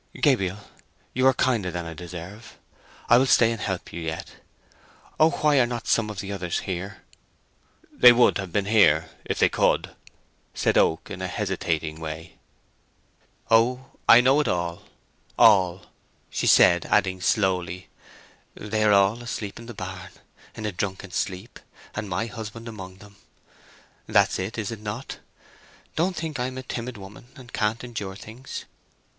"Gabriel, you are kinder than I deserve! I will stay and help you yet. Oh, why are not some of the others here!" "They would have been here if they could," said Oak, in a hesitating way. "O, I know it all—all," she said, adding slowly: "They are all asleep in the barn, in a drunken sleep, and my husband among them. That's it, is it not? Don't think I am a timid woman and can't endure things."